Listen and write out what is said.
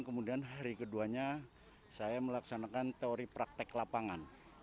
kemudian hari keduanya saya melaksanakan teori praktek lapangan